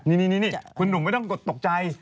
นี่คุณหนุ่มไม่ต้องกดตกใจ